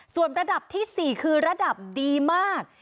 ส่วนระดับที่๔คือระดับดีมาก